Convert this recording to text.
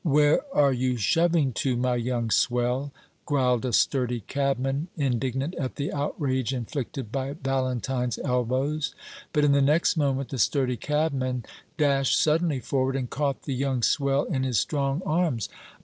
"Where are you shoving to, my young swell?" growled a sturdy cabman, indignant at the outrage inflicted by Valentine's elbows; but in the next moment the sturdy cabman dashed suddenly forward and caught the young swell in his strong arms.